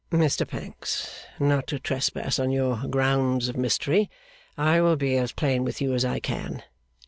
'Mr Pancks, not to trespass on your grounds of mystery, I will be as plain with you as I can.